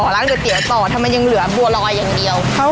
ร้านก๋วยเตี๋ยวต่อทำไมยังเหลือบัวลอยอย่างเดียว